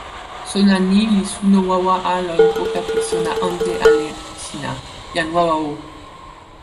sona ni li suno wawa a lon poka pi sona ante ale sina, jan wawa o!